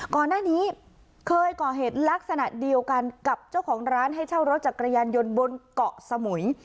ก่อนหน้านี้เคยก่อเหตุลักษณะเดียวกันกับเจ้าของร้านให้เช่ารถจักรยานยนต์บนเกาะสมุย